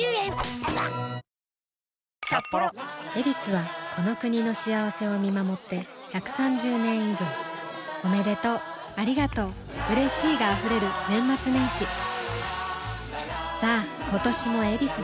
「ヱビス」はこの国の幸せを見守って１３０年以上おめでとうありがとううれしいが溢れる年末年始さあ今年も「ヱビス」で